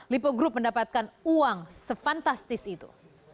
lipo group mendapatkan uang se fantastis itu